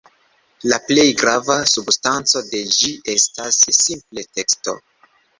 La plej grava substanco de ĝi estas simple teksto.